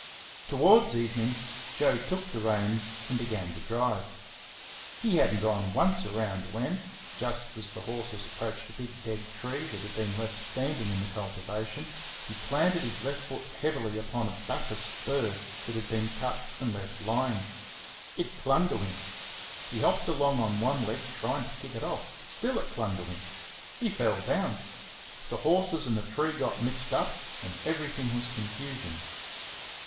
Towards evening Joe took the reins and began to drive. He had n't gone once around when, just as the horses approached a big dead tree that had been left standing in the cultivation, he planted his left foot heavily upon a Bathurst burr that had been cut and left lying. It clung to him. He hopped along on one leg, trying to kick it off; still it clung to him. He fell down. The horses and the tree got mixed up, and everything was confusion.